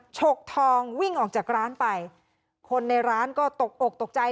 ฉกทองวิ่งออกจากร้านไปคนในร้านก็ตกอกตกใจ